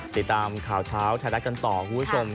ติดตามข่าวเช้าไทยรัฐกันต่อคุณผู้ชม